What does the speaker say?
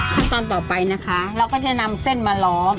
ขั้นตอนต่อไปนะคะเราก็จะนำเส้นมาล้อม